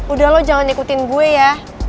udah lu jangan ikutin gue ya